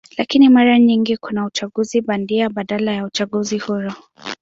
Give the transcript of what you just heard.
Lakini mara nyingi kuna uchaguzi bandia badala ya uchaguzi huru.